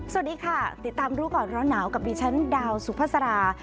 สวัสดีค่ะติดตามรู้ก่อนร้อนหนาวกับดิฉันดาวสุภาษา